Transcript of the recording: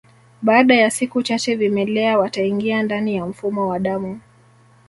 Baada ya siku chache vimelea wataingia ndani ya mfumo wa damu